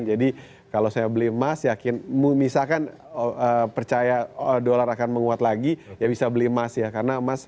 jadi kalau saya beli emas misalkan percaya dolar akan menguat lagi ya bisa beli emas ya